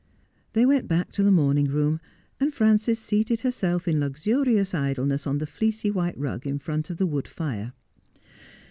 They went back to the morning room, and Frances seated herself in luxurious idleness on the fleecy white rug in front of the wood fire.